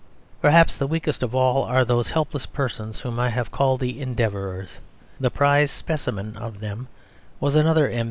Perhaps the weakest of all are those helpless persons whom I have called the Endeavourers. The prize specimen of them was another M.